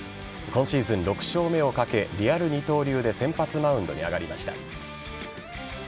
今シーズン６勝目をかけリアル二刀流で先発マウンドに上がりました。